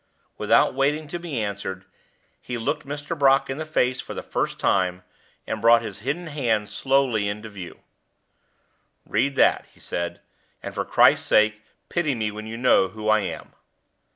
Without waiting to be answered, he looked Mr. Brock in the face for the first time, and brought his hidden hand slowly into view. "Read that," he said; "and, for Christ's sake, pity me when you know who I am."